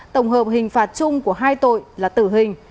tổng hợp hình phạt chung của hai tội là tử hình